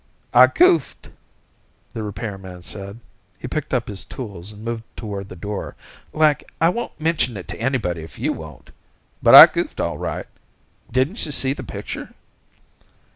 "I goofed," the repairman said. He picked up his tools, and moved toward the door. "Like, I won't mention it to anybody if you won't. But I goofed, all right. Didn't you see the picture?"